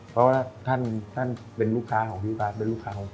เพราะว่าท่านเป็นลูกค้าของพี่บาทเป็นลูกค้า